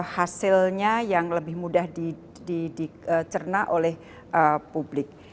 hasilnya yang lebih mudah dicerna oleh publik